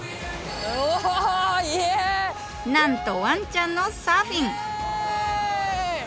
なんとわんちゃんのサーフィン！